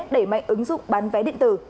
để mạnh ứng dụng bán vé điện tử